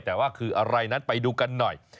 แต่ว่าคืออะไรนั้นไปดูกันหน่อย